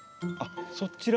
そちらも？